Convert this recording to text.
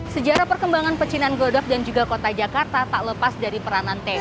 sejarah perkembangan percinan brodok dan juga kota jakarta tak lepas dari peranan t